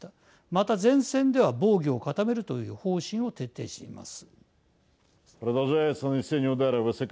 また、前線では防御を固めるという方針を徹底しています。